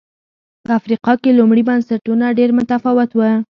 په افریقا کې لومړي بنسټونه ډېر متفاوت و